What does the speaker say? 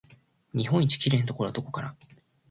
日本の一番きれいなところはどこかな